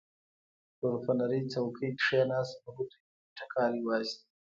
پر فنري څوکۍ کېناست، له ګوتو یې ټکاری وایست.